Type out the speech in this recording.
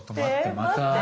また。